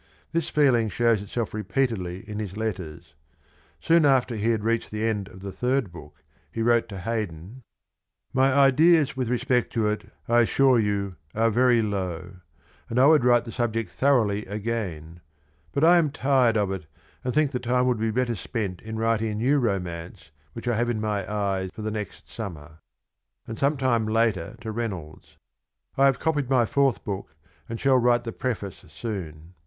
This feeling shows itself repeatedly in his letters. Soon after he had reached the end of the third book he wrote to Haydon :" My ideas with respect to it I assure you are very low — and I would write the subject thoroughly again — but I am tired of it and think the time would be better spent in writing a new Romance which I have in my eye for next summer."^ And some time later to Reynolds :" I have copied my Fourth Book, and shall write the Preface soon.